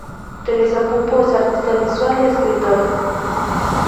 Teresa Puppo es artista visual y escritora.